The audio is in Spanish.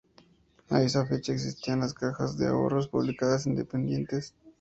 A esa fecha existían las cajas de ahorros públicas independientes.